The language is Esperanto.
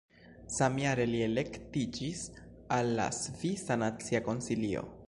Samjare li elektiĝis al la Svisa Nacia Konsilio.